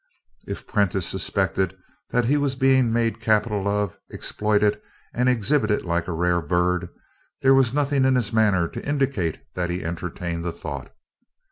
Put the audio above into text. If Prentiss suspected that he was being made capital of, exploited and exhibited like a rare bird, there was nothing in his manner to indicate that he entertained the thought.